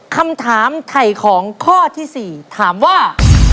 คำถามไถ่ของข้อที่๔ถามว่า